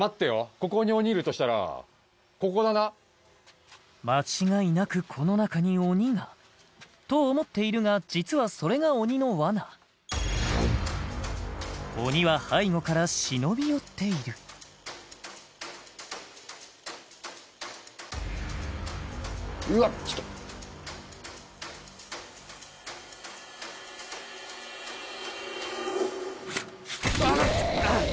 ここに鬼いるとしたらここだな間違いなくこの中に鬼がと思っているが実はそれが鬼の罠鬼は背後から忍び寄っているうわっちょっとあっ！